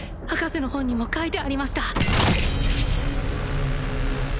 博士の本にも書いてありました